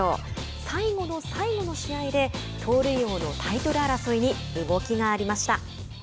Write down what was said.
最後の最後の試合で盗塁王のタイトル争いに動きがありました。